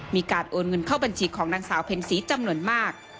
มีการโอนเงินเข้าบัญชีของนางสาวเพ็ญศรีจำนวนมาก